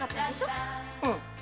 うん。